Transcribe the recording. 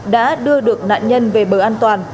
đã đưa được nạn nhân về bờ an toàn